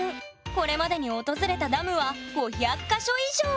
これまでに訪れたダムは５００か所以上！